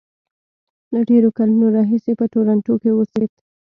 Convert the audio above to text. له ډېرو کلونو راهیسې په ټورنټو کې اوسېد.